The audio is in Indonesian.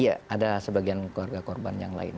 iya ada sebagian keluarga korban yang lain